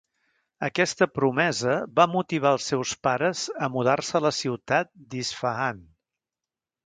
Aquesta promesa va motivar al seus pares a mudar-se a la ciutat d'Isfahan.